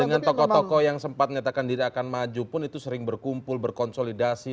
dengan tokoh tokoh yang sempat menyatakan diri akan maju pun itu sering berkumpul berkonsolidasi